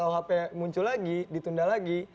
dan sekarang ketika isu rkuhp muncul lagi ditunda lagi